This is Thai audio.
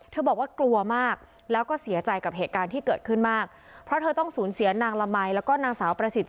บอกว่ากลัวมากแล้วก็เสียใจกับเหตุการณ์ที่เกิดขึ้นมากเพราะเธอต้องสูญเสียนางละมัยแล้วก็นางสาวประสิทธิ